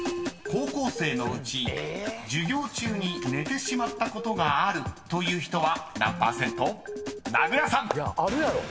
［高校生のうち授業中に寝てしまったことがある人は？］